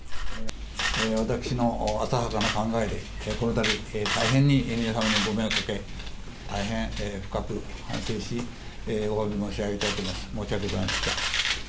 私の浅はかな考えで、このたび大変に皆様にご迷惑をかけ、大変深く反省し、おわび申し上げたいと思います。